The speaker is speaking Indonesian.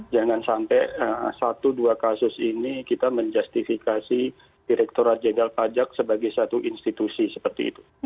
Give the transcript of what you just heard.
jangan sampai satu dua kasus ini kita menjustifikasi direkturat jenderal pajak sebagai satu institusi seperti itu